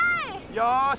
よし。